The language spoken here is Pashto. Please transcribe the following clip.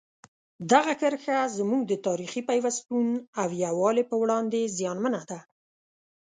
دغه کرښه زموږ د تاریخي پیوستون او یووالي په وړاندې زیانمنه ده.